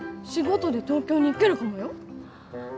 仕事で東京に行けるかもよ？